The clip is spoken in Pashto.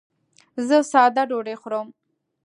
زه ساده ډوډۍ خورم.